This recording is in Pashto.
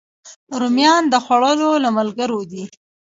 رومیان د خوړو له ملګرو دي